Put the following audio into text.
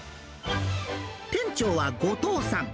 店長は後藤さん。